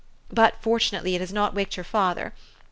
But, fortunately, it has not waked your father.